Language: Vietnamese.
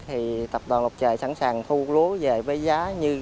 thì tập đoàn lộc trời sẵn sàng thu lúa về với giá như